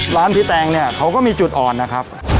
ร้านพี่แตงเนี่ยเขาก็มีจุดอ่อนนะครับ